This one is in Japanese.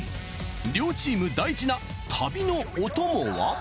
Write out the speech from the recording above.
両チーム大事な旅のお供は。